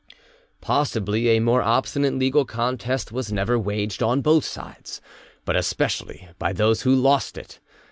Possibly a more obstinate legal contest was never waged, on both sides, but especially by those who lost it.